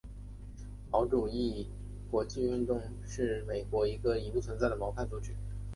毛主义国际主义运动是美国的一个已不存在的毛派组织。